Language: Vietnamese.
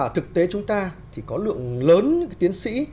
thế chúng ta thì có lượng lớn những cái tiến sĩ